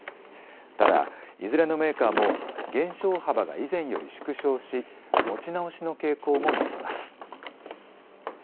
ただ、いずれのメーカーも減少幅が以前より縮小し、持ち直しの傾向も見られます。